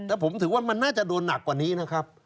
แต่ผมถือว่ามันน่าจะโดนหนักกว่านี้นะครับ